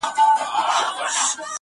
څو مېرمني او نوکر راوړل ډانګونه،